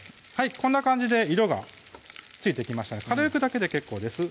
こんな感じで色がついてきましたので軽くだけで結構です